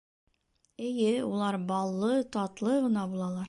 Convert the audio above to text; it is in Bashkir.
Эйе, улар баллы, татлы ғына булалар.